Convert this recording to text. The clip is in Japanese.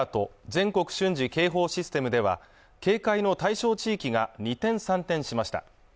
全国瞬時警報システムでは警戒の対象地域が二転三転しました